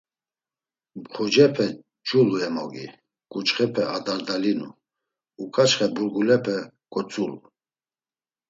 Mxucepe culu emogi, ǩuçxepe adardalinu, uǩaçxe burgulepe kotzulu.